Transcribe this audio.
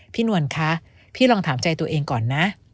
นวลคะพี่ลองถามใจตัวเองก่อนนะ